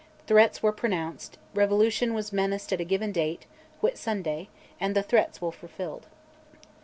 Threats were pronounced, revolution was menaced at a given date, Whitsunday, and the threats were fulfilled.